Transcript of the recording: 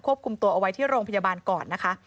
คุมตัวเอาไว้ที่โรงพยาบาลก่อนนะคะ